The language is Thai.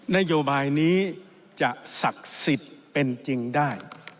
นโยบายนี้จะศักดิ์สิทธิ์เป็นจริงได้